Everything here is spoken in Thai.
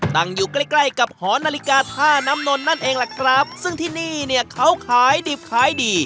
ตั้งอยู่ใกล้ใกล้กับหอนาฬิกาท่าน้ำนนนั่นเองล่ะครับซึ่งที่นี่เนี่ยเขาขายดิบขายดี